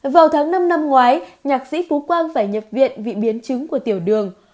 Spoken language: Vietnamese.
vào tháng năm năm ngoái nhạc sĩ phú quang phải nhập viện vì biến chứng của tiểu đường